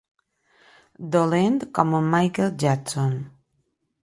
Dolent com en Michael Jackson.